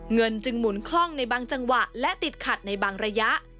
เงินจึงหมุนคล่องในบางจังหวะและติดขัดในบางระยะ